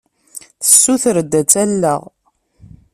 Tessuter-d ad tt-alleɣ.